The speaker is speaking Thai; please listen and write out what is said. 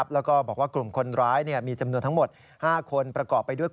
จะได้มีตัวเล่นกลมกลมเขาจะใช้หนูทั้งหมดแค่ประมาณสิบเอ่อ